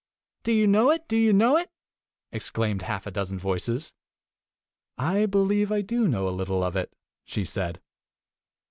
"Do you know it? Do you know^it?" ex claimed half a dozen voices. " I believe I do know a little of it," she said.